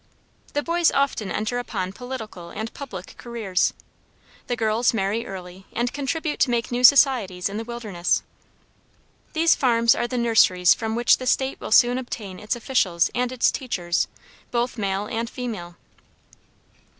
The boys often enter upon political and public careers. The girls marry early, and contribute to make new societies in the wilderness. These farms are the nurseries from which the State will soon obtain its officials and its teachers, both male and female.